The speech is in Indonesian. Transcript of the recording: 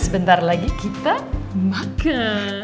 sebentar lagi kita makan